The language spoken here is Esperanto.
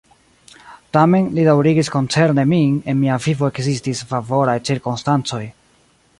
Tamen, li daŭrigis, koncerne min, en mia vivo ekzistis favoraj cirkonstancoj.